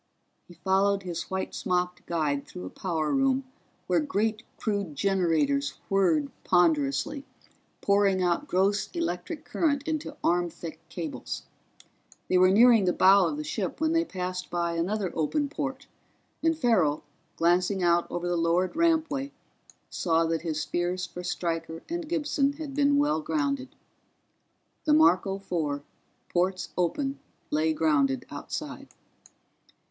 He followed his white smocked guide through a power room where great crude generators whirred ponderously, pouring out gross electric current into arm thick cables. They were nearing the bow of the ship when they passed by another open port and Farrell, glancing out over the lowered rampway, saw that his fears for Stryker and Gibson had been well grounded. The Marco Four, ports open, lay grounded outside.